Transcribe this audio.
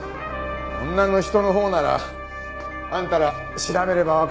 女の人のほうならあんたら調べればわかると思うよ。